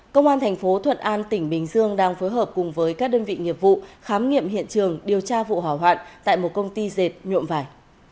công an thành phố thuận an tỉnh bình dương đang phối hợp cùng với các đơn vị nghiệp vụ khám nghiệm hiện trường điều tra vụ hỏa hoạn tại một công ty dệt nhuộm vải